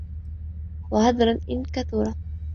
وَهَذْرًا إنْ كَثُرَ